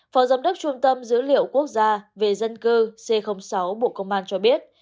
phó giám đốc trung tâm dữ liệu quốc gia về dân cư c sáu bộ công an cho biết